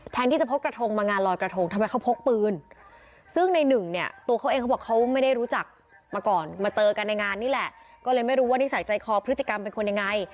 ที่จะพกกระทงมางานลอยกระทงทำไมเขาพกปืนซึ่งในหนึ่งเนี่ยตัวเขาเองเขาบอกเขาไม่ได้รู้จักมาก่อนมาเจอกันในงานนี่แหละก็เลยไม่รู้ว่านิสัยใจคอพฤติกรรมเป็นคนยังไง